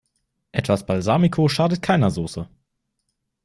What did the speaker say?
Etwas Balsamico schadet keiner Soße.